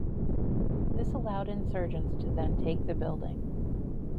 This allowed insurgents to then take the building.